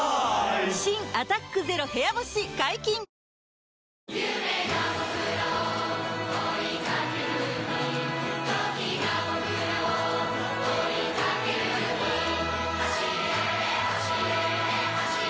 新「アタックＺＥＲＯ部屋干し」解禁‼あ゛ーーー！